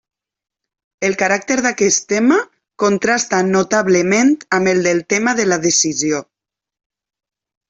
El caràcter d'aquest tema contrasta notablement amb el del tema de la decisió.